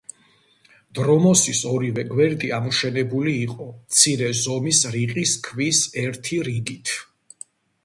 დრომოსის ორივე გვერდი ამოშენებული იყო მცირე ზომის რიყის ქვის ერთი რიგით.